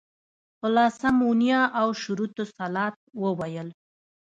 خلاصه مونيه او شروط الصلاة وويل.